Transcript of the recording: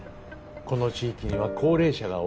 この地域には高齢者が多い。